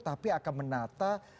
tapi akan menata